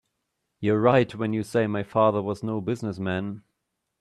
You're right when you say my father was no business man.